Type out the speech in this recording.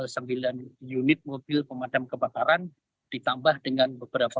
sembilan unit mobil pemadam kebakaran ditambah dengan beberapa